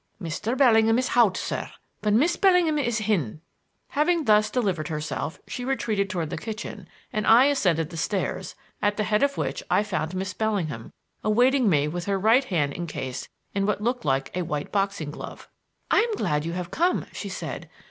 "Mr. Bellingham is hout, sir; but Miss Bellingham is hin." Having thus delivered herself she retreated toward the kitchen and I ascended the stairs, at the head of which I found Miss Bellingham awaiting me with her right hand encased in what looked like a white boxing glove. "I'm glad you have come," she said.